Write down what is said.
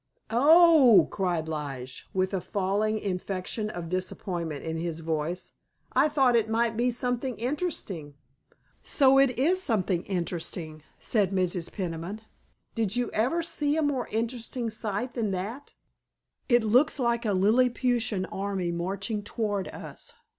"Oh h," cried Lige, with a falling inflection of disappointment in his voice, "I thought it might be something interesting." "So it is something interesting," said Mrs. Peniman. "Did you ever see a more interesting sight than that? It looks like a Lilliputian army marching toward us!